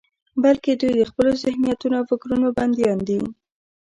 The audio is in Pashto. بلکې دوی د خپلو ذهنيتونو او فکرونو بندیان دي.